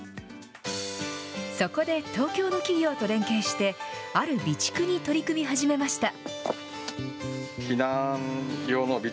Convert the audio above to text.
そこで、東京の企業と連携して、ある備蓄に取り組み始めました。